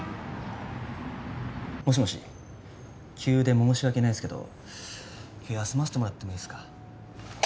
もしもし急で申し訳ないんすけど今日休ませてもらってもいいっすか？